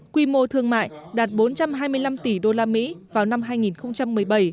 quy mô thương mại đạt bốn trăm hai mươi năm tỷ usd vào năm hai nghìn một mươi bảy